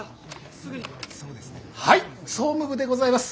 はい総務部でございます。